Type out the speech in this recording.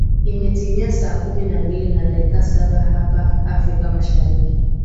imetimia saa kumi na mbili na dakika saba hapa afrika mashariki